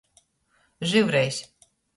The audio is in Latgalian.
Žyvrejs.